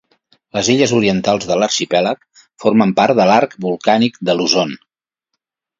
Les illes orientals de l'arxipèlag formen part de l'arc volcànic de Luzon.